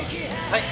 はい！